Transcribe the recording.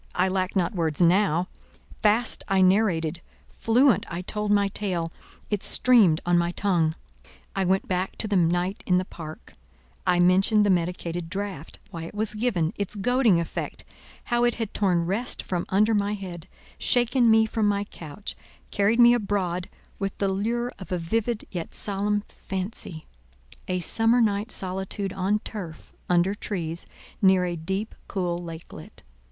I lacked not words now; fast I narrated; fluent I told my tale; it streamed on my tongue. I went back to the night in the park; I mentioned the medicated draught—why it was given—its goading effect—how it had torn rest from under my head, shaken me from my couch, carried me abroad with the lure of a vivid yet solemn fancy—a summer night solitude on turf, under trees, near a deep, cool lakelet.